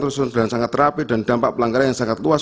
rusun dan sangat rapi dan dampak pelanggaran yang sangat luas